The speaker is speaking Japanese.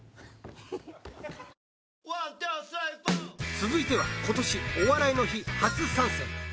続いては今年「お笑いの日」初参戦